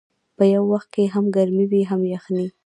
په یو وخت کې هم ګرمي وي هم یخني.